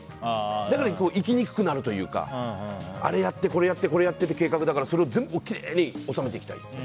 だから生きにくくなるというかあれやって、これやってって計画だからそれを全部きれいに収めていきたい。